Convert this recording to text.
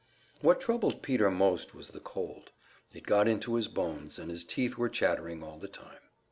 What troubled Peter most was the cold; it got into his bones, and his teeth were chattering all the time.